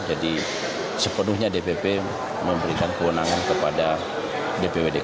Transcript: jadi sepenuhnya dpp memberikan kewenangan kepada dpw dki